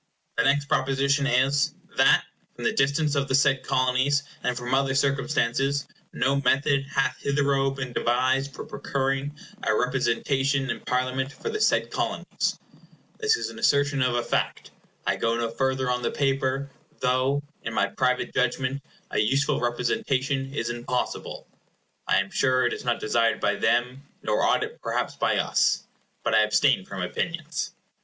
The next proposition is— "That, from the distance of the said Colonies, and from other circumstances, no method hath hitherto been devised for procuring a representation in Parliament for the said Colonies" This is an assertion of a fact, I go no further on the paper, though, in my private judgment, a useful representation is impossible—I am sure it is not desired by them, nor ought it perhaps by us—but I abstain from opinions.